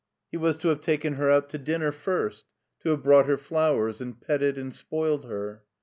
He was to have taken her out to dinner first — ^to have brought her flowers and petted and spoiled her.